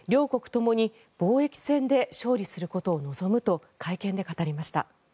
ともに防疫戦で勝利することを望むと会見で語りました。